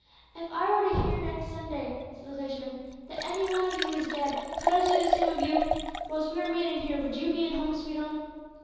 "If I were to hear next Sunday," said the clergyman, "that any one of you was dead, could I say the same of you? Whilst we are meeting here, would you be in 'Home, sweet Home'?